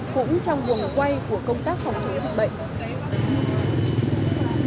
cũng trong buồng quay của công tác phòng chống dịch bệnh